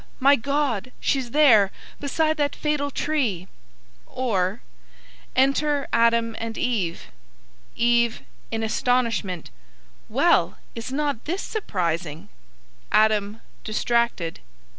my God, she's there Beside that fatal tree; or Enter ADAM and EVE. EVE (in astonishment). Well, is not this surprising? ADAM (distracted).